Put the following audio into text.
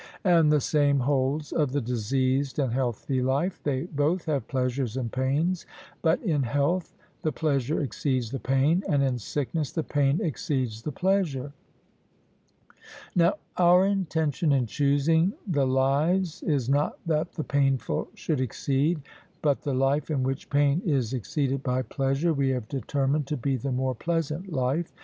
And the same holds of the diseased and healthy life; they both have pleasures and pains, but in health the pleasure exceeds the pain, and in sickness the pain exceeds the pleasure. Now our intention in choosing the lives is not that the painful should exceed, but the life in which pain is exceeded by pleasure we have determined to be the more pleasant life.